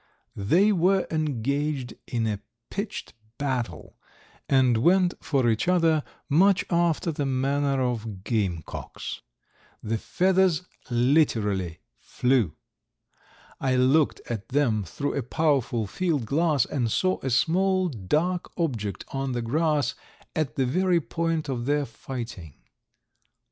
They were engaged in a pitched battle, and went for each other much after the manner of game cocks. The feathers literally flew. I looked at them through a powerful field glass and saw a small dark object on the grass at the very point of their fighting.